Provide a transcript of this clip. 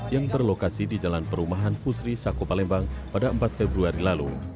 yang berlokasi di jalan perumahan pusri sako palembang pada empat februari lalu